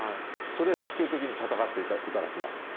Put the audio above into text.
それで徹底的に戦っていただきますと。